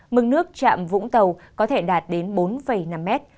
mức nước chạm vũng tàu có thể đạt đến bốn năm mét